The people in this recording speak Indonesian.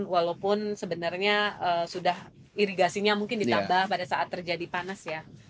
walaupun sebenarnya sudah irigasinya mungkin ditambah pada saat terjadi panas ya